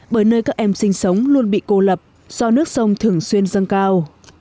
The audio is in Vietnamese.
bởi nơi các em sinh sống luôn bị cô lập do nước sông thường xuyên dâng cao